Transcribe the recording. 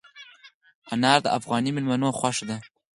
انار د افغاني مېلمنو خوښه ده.